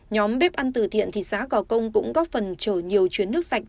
nhóm bếp ăn từ thiện thị xã gò công cũng góp phần chở nhiều chuyến nước sạch